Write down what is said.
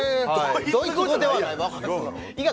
ドイツ語ではない医学